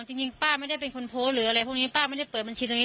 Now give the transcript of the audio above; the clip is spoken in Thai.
จริงป้าไม่ได้เป็นคนโพสต์หรืออะไรพวกนี้ป้าไม่ได้เปิดบัญชีตรงนี้